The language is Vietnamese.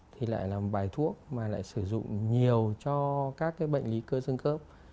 thì lại là một bài thuốc mà lại sử dụng nhiều cho các cái bệnh lý cơ sương khớp